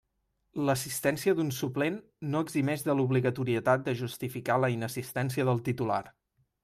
L'assistència d'un suplent no eximeix de l'obligatorietat de justificar la inassistència del titular.